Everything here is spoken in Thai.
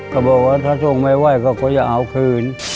ก็บอกว่าถ้าทรงไม่ไหว้ก็อยากเอาคืน